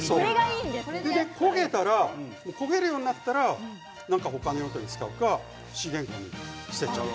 焦げるようになったら他の用途に使うか資源ごみに捨てちゃう。